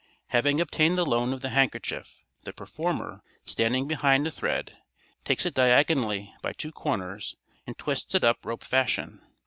Having obtained the loan of the handkerchief, the performer, standing behind the thread, takes it diagonally by two corners and twists it up rope fashion.